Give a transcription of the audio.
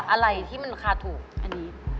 อะไรที่มันราคาถูกอันนี้